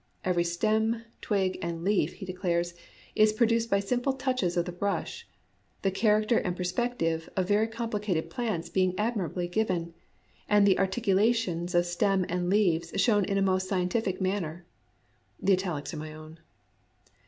" Every stem, twig, and leaf," he declares, " is pro duced hy single touches of the brush; the character and perspective of very complicated plants being admirably given, and the articu ABOUT FACES IN JAPANESE ART 109 lations of stem and leaves shown in a most scientific manner." (The italics are my own.)